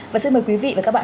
và xin mời quý vị và các bạn